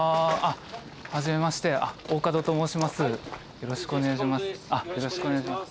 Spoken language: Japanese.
よろしくお願いします。